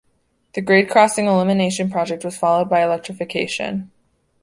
The grade crossing elimination project was followed by electrification.